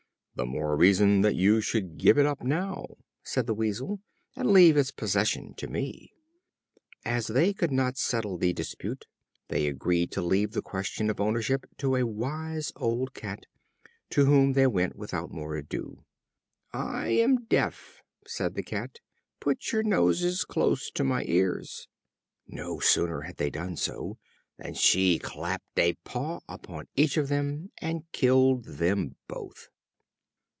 "The more reason that you should give it up now," said the Weasel, "and leave its possession to me." As they could not settle the dispute, they agreed to leave the question of ownership to a wise old Cat, to whom they went without more ado. "I am deaf," said the Cat. "Put your noses close to my ears." No sooner had they done so, than she clapped a paw upon each of them, and killed them both.